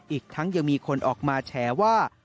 อีกทั้งยังมีคนออกมาแฉว่า